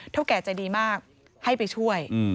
แก่ใจดีมากให้ไปช่วย